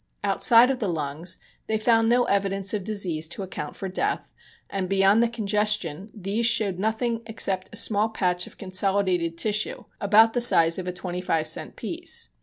Outside of the lungs they found no evidence of disease to account for death, and beyond the congestion these showed nothing except a small patch of consolidated tissue about the size of a twenty five cent piece.